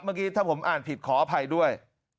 เมื่อกี้ถ้าผมอ่านผิดขออภัยด้วย